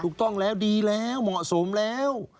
ถูกต้องแล้วดีแล้วเหมาะสมแล้ว